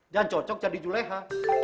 dan cocok jadi juleha